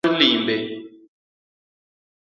chenro mar limbe: